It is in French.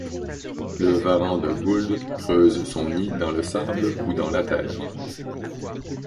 Le Varan de Gould creuse son nid dans le sable ou dans la terre.